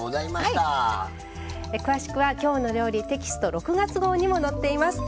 詳しくは「きょうの料理」テキスト６月号にも載っています。